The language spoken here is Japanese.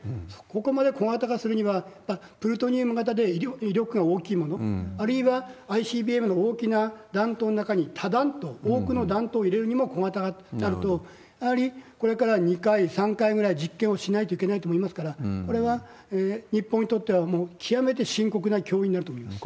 ここまで小型化するには、プルトニウム型で威力が大きいもの、あるいはＩＣＢＭの大きな弾頭の中に多弾頭、多くの弾頭を入れるにも小型化となると、やはりこれから２回、３回ぐらい実験をしないといけないと思いますから、これは日本にとっては、もう極めて深刻な脅威になると思います。